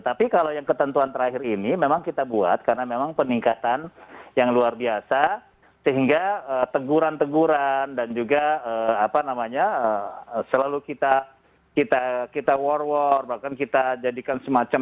tapi kalau yang ketentuan terakhir ini memang kita buat karena memang peningkatan yang luar biasa sehingga teguran teguran dan juga apa namanya selalu kita war war bahkan kita jadikan semacam